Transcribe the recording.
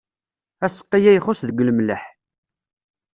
Aseqqi-a ixuṣṣ deg lemleḥ.